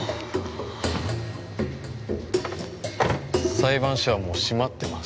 裁判所はもう閉まってます